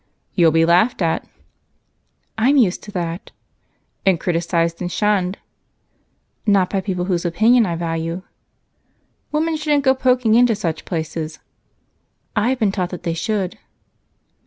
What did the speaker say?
"You'll be laughed at." "I'm used to that." "And criticized and shunned." "Not by people whose opinion I value." "Women shouldn't go poking into such places." "I've been taught that they should."